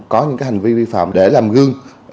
có những hành vi vi phạm để làm gương